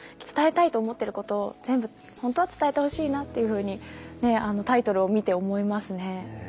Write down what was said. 伝えたいと思ってることを全部本当は伝えてほしいなっていうふうにタイトルを見て思いますね。